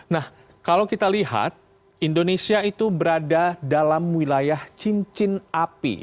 nah kalau kita lihat indonesia itu berada dalam wilayah cincin api